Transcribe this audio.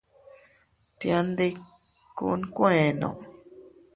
Tiandikku nkuenno.